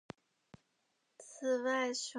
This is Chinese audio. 此外熊也会猎食年幼的野牛。